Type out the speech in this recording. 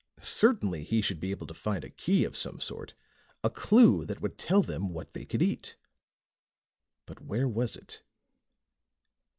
Certainly he should be able to find a key of some sort, a clue that would tell him what they could eat. But where was it?